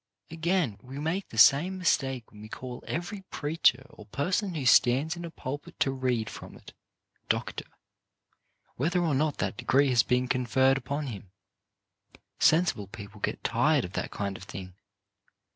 Again, we make the same mistake when we call every preacher or person who stands in a pulpit to read from it, " Doctor, " whether or not RIGHT NAMES 65 that degree has been conferred upon him. Sen sible people get tired of that kind of thing.